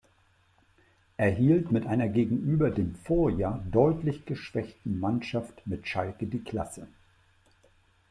Er hielt mit einer gegenüber dem Vorjahr deutlich geschwächten Mannschaft mit Schalke die Klasse.